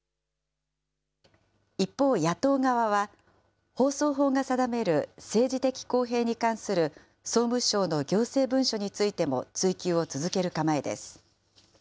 一方、野党側は、放送法が定める政治的公平に関する総務省の行政文書についても追及を続ける構えです。